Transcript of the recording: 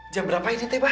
jam berapa ini teh pak